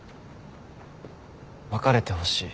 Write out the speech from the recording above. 別れてほしい。